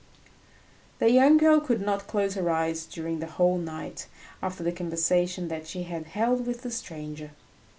The young girl could not close her eyes during the whole night after the conversation that she had held with the stranger.